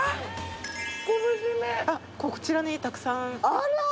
こちらにたくさん。